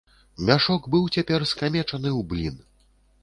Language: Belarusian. Мяшок быў цяпер скамечаны ў блін.